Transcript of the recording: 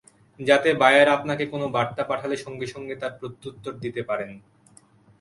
যাতে বায়ার আপনাকে কোনো বার্তা পাঠালে সঙ্গে সঙ্গে তার প্রত্যুত্তর দিতে পারেন।